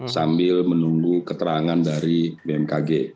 sambil menunggu keterangan dari bmkg